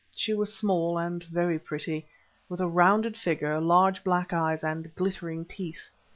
She was small and very pretty, with a rounded figure, large black eyes, and glittering teeth.